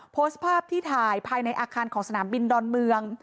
โพสต์ภาพที่ถ่ายภายในอาคารของสนามบินดอนเมือง